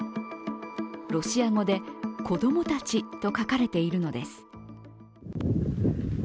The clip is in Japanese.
ロシア語で子供たちと書かれているのです。